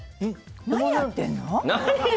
何やってんの？